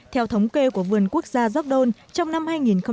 theo thống kê của vườn quốc gia york don trong năm hai nghìn một mươi sáu